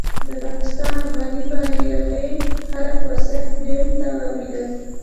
د پاکستان افغاني باغي خلک ورسک ډېم ته ولوېدل.